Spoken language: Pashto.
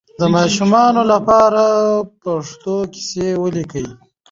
د ماشومانو لپاره پښتو کیسې ولیکئ.